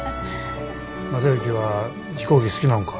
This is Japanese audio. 正行は飛行機好きなんか？